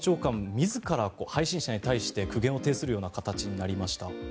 自ら配信者に対して苦言を呈するような形になりました。